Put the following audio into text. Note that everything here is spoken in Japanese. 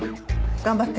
頑張って。